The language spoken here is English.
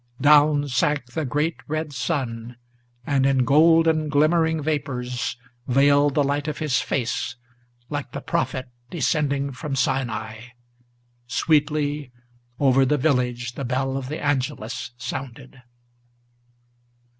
Down sank the great red sun, and in golden, glimmering vapors Veiled the light of his face, like the Prophet descending from Sinai. Sweetly over the village the bell of the Angelus sounded.